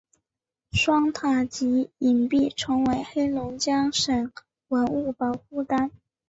双塔及影壁成为黑龙江省文物保护单位。